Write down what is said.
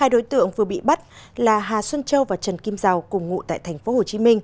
hai đối tượng vừa bị bắt là hà xuân châu và trần kim giàu cùng ngụ tại tp hcm